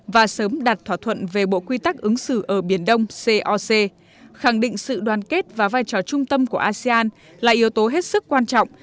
và sớm đạt thỏa thuận về bộ quy tắc ứng xử ở biển đông coc khẳng định sự đoàn kết và vai trò trung tâm của asean là yếu tố hết sức quan trọng